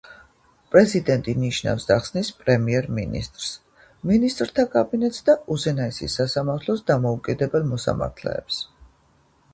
პრეზიდენტი ნიშნავს და ხსნის პრემიერ-მინისტრს, მინისტრთა კაბინეტს და უზენაესი სასამართლოს დამოუკიდებელ მოსამართლეებს.